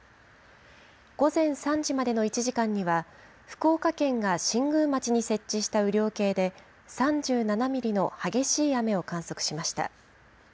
午前３時までの１時間には、福岡県が新宮町に設置した雨量計で３７ミリの激しい雨を観測しました。